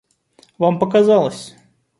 — Вам показалось.